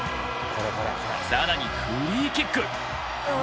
更にフリーキック！